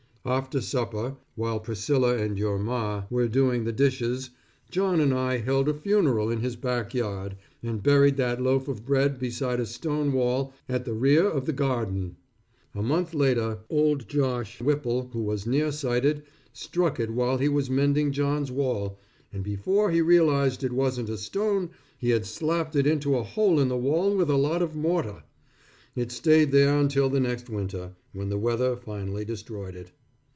After supper, while Priscilla and your Ma were doing the dishes, John and I held a funeral in his back yard, and buried that loaf of bread beside a stone wall at the rear of the garden. A month later, old Josh Whipple who was near sighted, struck it while he was mending John's wall, and before he realized it wasn't a stone, he had slapped it into a hole in the wall with a lot of mortar. It stayed there until the next winter, when the weather finally destroyed it.